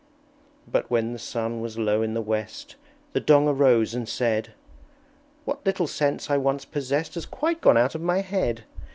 But when the sun was low in the West, The Dong arose and said, "What little sense I once possessed Has quite gone out of my head!"